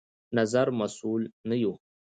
نظر مسوول نه يو